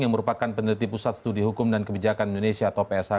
yang merupakan peneliti pusat studi hukum dan kebijakan indonesia atau psh